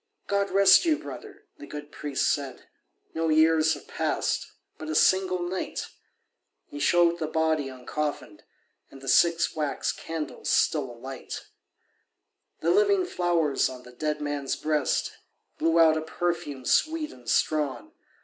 "God rest you, brother," the good priest said, "No years have passed—but a single night." He showed the body uncoffinèd, And the six wax candles still alight. The living flowers on the dead man's breast Blew out a perfume sweet and strong.